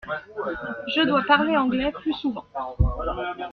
Je dois parler anglais plus souvent.